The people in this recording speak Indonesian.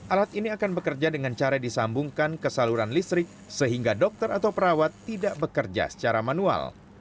alat ini akan bekerja dengan cara disambungkan ke saluran listrik sehingga dokter atau perawat tidak bekerja secara manual